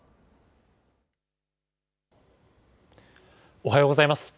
おはようございます。